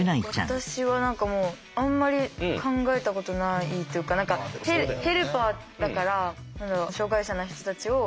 私は何かもうあんまり考えたことないというかヘルパーだから何だろう障害者の人たちを手助けというか。